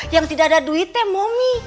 yang tidak ada duit teh mami